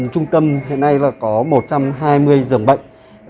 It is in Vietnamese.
trung tâm hiện nay có một trăm hai mươi dưỡng bệnh